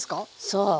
そう。